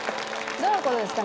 どういう事ですか？